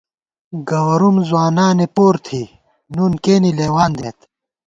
گوَرُوم ځوانانے پور تھی ، نُون کېنےلېوان دِمېت